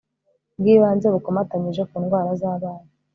bwi banze bukomatanyije ku ndwara z'abana